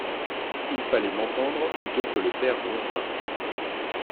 Il fallait m'entendre plutôt que le Père Ronsin.